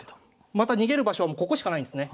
また逃げる場所はここしかないんですね。